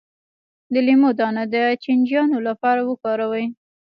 د لیمو دانه د چینجیانو لپاره وکاروئ